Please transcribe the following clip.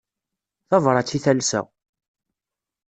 Tabrat i talsa.